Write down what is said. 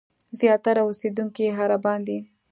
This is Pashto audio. زیاتره اوسېدونکي یې عربان دي.